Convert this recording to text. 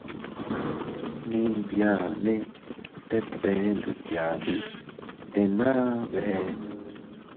Mii biane tet bee ndutyadi, ndenna bee.